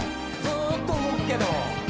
ずっと動くけど。